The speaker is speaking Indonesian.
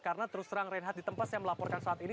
karena terus terang reinhardt di tempat saya melaporkan saat ini